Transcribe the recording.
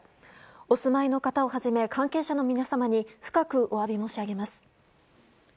お住まいの方をはじめ関係者の皆様に深くお詫び申し上げます。